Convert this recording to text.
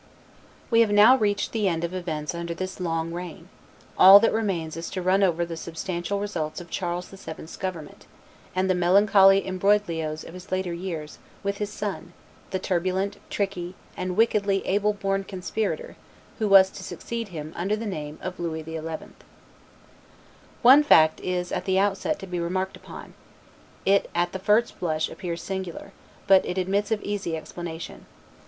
We have now reached the end of events under this long reign; all that remains is to run over the substantial results of Charles VII.'s government, and the melancholy imbroglios of his latter years with his son, the turbulent, tricky, and wickedly able born conspirator, who was to succeed him under the name of Louis XI. One fact is at the outset to be remarked upon; it at the first blush appears singular, but it admits of easy explanation.